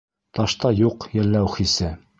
Ташта юҡ йәлләү хисе.